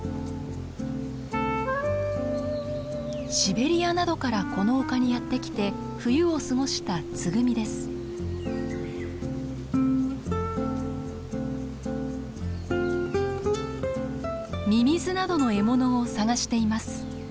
シベリアなどからこの丘にやって来て冬を過ごしたミミズなどの獲物を探しています。